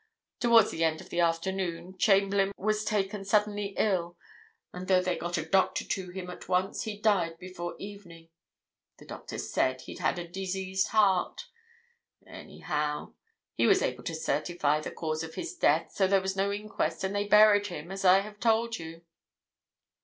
Towards the end of the afternoon, Chamberlayne was taken suddenly ill, and though they got a doctor to him at once, he died before evening. The doctor said he'd a diseased heart. Anyhow, he was able to certify the cause of his death, so there was no inquest and they buried him, as I have told you."